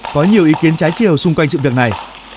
có nhiều ý kiến trái chiều xung quanh sự việc này